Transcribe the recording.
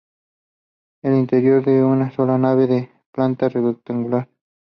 El interior es una sola nave, de planta rectangular.